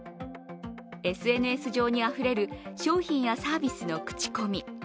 ＳＮＳ上にあふれる商品やサービスの口コミ。